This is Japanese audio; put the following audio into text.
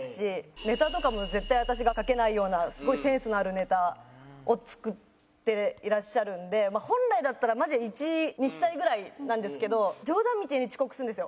ネタとかも絶対私が書けないようなすごいセンスのあるネタを作っていらっしゃるんで本来だったらマジで１位にしたいぐらいなんですけど冗談みたいに遅刻するんですよ。